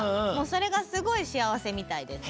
それがすごいしあわせみたいです。